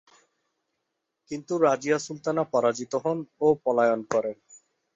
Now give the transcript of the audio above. কিন্তু রাজিয়া সুলতানা পরাজিত হন ও পলায়ন করেন।